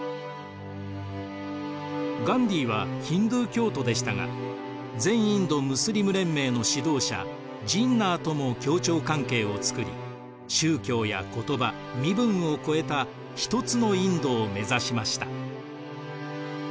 ガンディーはヒンドゥー教徒でしたが全インド・ムスリム連盟の指導者ジンナーとも協調関係を作り宗教や言葉身分を超えた一つのインドを目指しました。